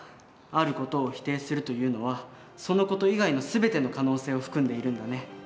ある事を否定するというのはその事以外の全ての可能性を含んでいるんだね。